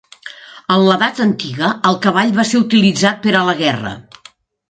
En l'edat antiga el cavall va ser utilitzat per a la guerra.